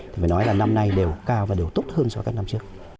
thì phải nói là năm nay đều cao và đều tốt hơn so với các năm trước